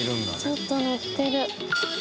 ちょっとノッてる。